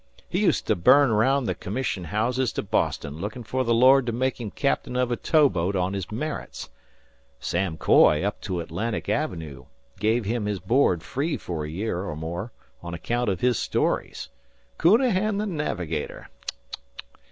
"He used to bum araound the c'mission houses to Boston lookin' fer the Lord to make him captain of a tow boat on his merits. Sam Coy, up to Atlantic Avenoo, give him his board free fer a year or more on account of his stories. "Counahan the Navigator! Tck!